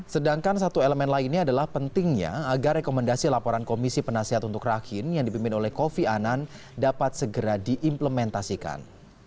sedangkan satu elemen lainnya adalah pentingnya agar rekomendasi laporan komisi penasihat untuk rakin yang dipimpin oleh kofi anan dapat segera diimplementasikan